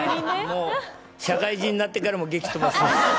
社会人になってからも檄、飛ばします。